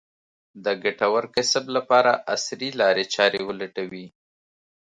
د ګټور کسب لپاره عصري لارې چارې ولټوي.